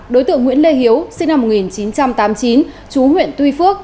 đối tượng nguyễn lê hiếu sinh năm một nghìn chín trăm tám mươi chín chú huyện tuy phước